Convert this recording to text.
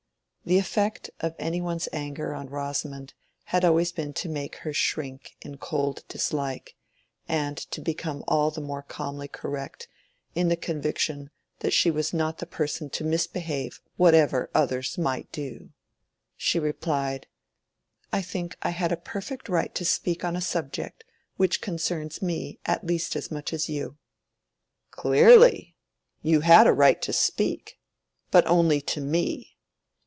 The effect of any one's anger on Rosamond had always been to make her shrink in cold dislike, and to become all the more calmly correct, in the conviction that she was not the person to misbehave whatever others might do. She replied— "I think I had a perfect right to speak on a subject which concerns me at least as much as you." "Clearly—you had a right to speak, but only to me.